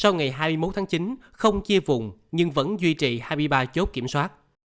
sau ngày hai mươi một tháng chín không chia vùng nhưng vẫn duy trì hai mươi ba chốt kiểm soát